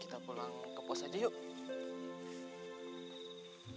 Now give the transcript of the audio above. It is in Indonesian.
kita pulang ke pos aja yuk